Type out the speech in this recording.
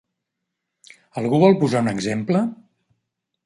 Algú vol posar un exemple?